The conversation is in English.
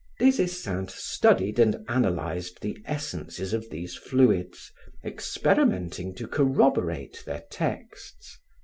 Des Esseintes studied and analyzed the essences of these fluids, experimenting to corroborate their texts.